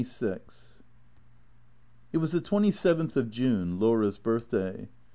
XXVI IT was the twenty seventh of June, Laura's birthday.